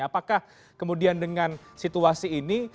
apakah kemudian dengan situasi ini